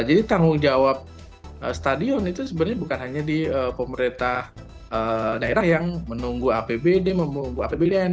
jadi tanggung jawab stadion itu sebenarnya bukan hanya di pemerintah daerah yang menunggu apbd menunggu apbdn